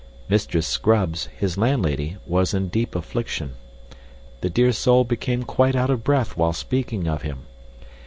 Mistress Scrubbs, his landlady, was in deep affliction. The dear soul became quite out of breath while speaking of him.